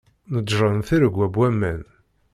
Neǧren tiregwa n waman.